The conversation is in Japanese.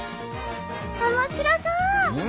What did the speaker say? おもしろそう！